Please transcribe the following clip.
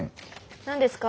何ですか？